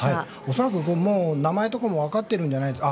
恐らく名前とかも分かっているのではないかと。